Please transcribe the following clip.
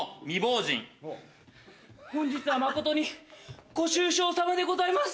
本日はまことにご愁傷さまでございます